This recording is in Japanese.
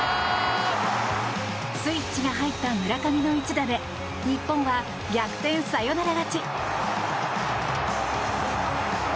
スイッチが入った村上の一打で日本は逆転サヨナラ勝ち。